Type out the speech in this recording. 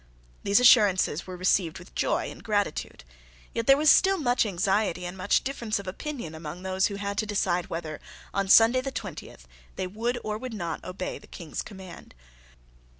These assurances were received with joy and gratitude. Yet there was still much anxiety and much difference of opinion among those who had to decide whether, on Sunday the twentieth, they would or would not obey the King's command.